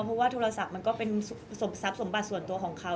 เพราะว่าโทรศัพท์มันก็เป็นทรัพย์สมบัติส่วนตัวของเขา